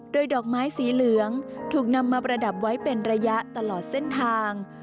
โดยดอกไม้สีเหลืองถูกนำมาประดับไว้เป็นระยะตลอดเส้นทาง